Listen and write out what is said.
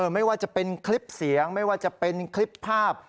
ไม่ว่าจะเป็นคลิปเสียงไม่ว่าจะเป็นคลิปภาพ